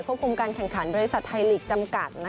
คุมการแข่งขันบริษัทไทยลีกจำกัด